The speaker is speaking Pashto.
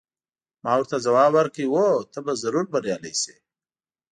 ما ورته ځواب ورکړ: هو، ته به ضرور بریالۍ شې.